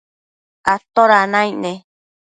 ¿atoda naic ne?